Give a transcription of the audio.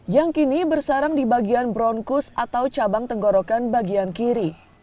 yang kini bersarang di bagian bronkus atau cabang tenggorokan bagian kiri